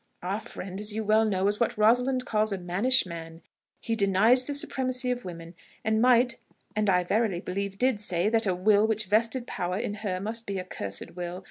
Our friend, as you well know, is what Rosalind calls a manish man; he denies the supremacy of woman, and might, and I verily believe did say, that a will which vested power in her must be a cursed will.